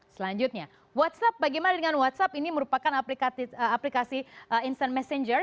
selanjutnya whatsapp bagaimana dengan whatsapp ini merupakan aplikasi insant messenger